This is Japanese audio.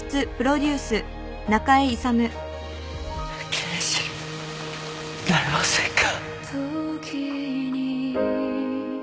刑事になれませんか？